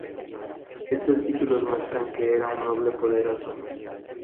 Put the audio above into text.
Estos títulos muestran que era un noble poderoso.